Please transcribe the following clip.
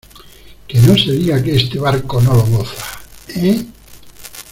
¡ que no se diga que este barco no lo goza! ¿ eh?